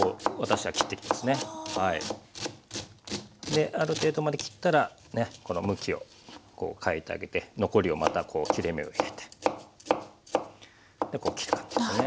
である程度まで切ったらこの向きをこう変えてあげて残りをまたこう切れ目を入れてこう切る感じですね。